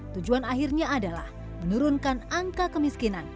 tujuan akhirnya adalah menurunkan angka kemiskinan